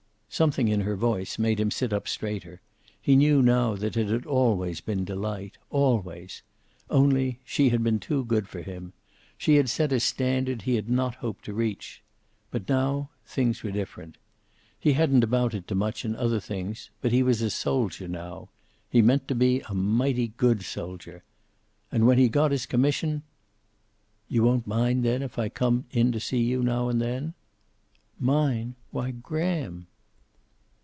Something in her voice made him sit up straighter. He knew now that it had always been Delight, always. Only she had been too good for him. She had set a standard he had not hoped to reach. But now things were different. He hadn't amounted to much in other things, but he was a soldier now. He meant to be a mighty good soldier. And when he got his commission "You won't mind, then, if I come in to see you now and then?" "Mind? Why, Graham!"